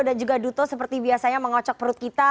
juga duto seperti biasanya mengocok perut kita